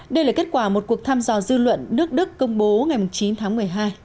đây là kết quả một cuộc thăm dò dư luận nước đức công bố ngày chín tháng một mươi hai